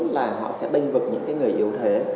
là họ sẽ đinh vực những cái người yếu thế